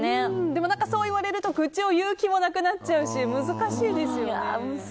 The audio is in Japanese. でもそう言われると愚痴を言う気もなくなっちゃうし難しいですよね。